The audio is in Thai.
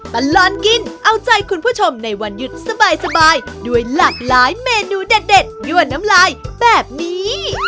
ตลอดกินเอาใจคุณผู้ชมในวันหยุดสบายด้วยหลากหลายเมนูเด็ดยั่วน้ำลายแบบนี้